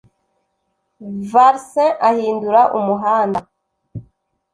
valsin ahindura umuhanda.